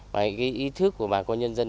và ý thức của bà con nhân dân